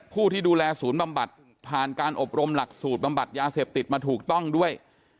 ผู้ที่ดูแลศูนย์บำบัดผ่านการอบรมหลักสูตรบำบัดยาเสพติดมาถูกต้องด้วย